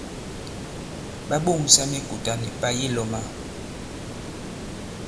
Ɓa ɓoŋsa mikùtà nì pà yi lɔ̄ma.